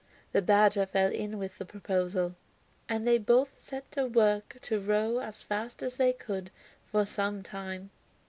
The badger fell in with the proposal, and they both set to work to row as fast as they could for some time.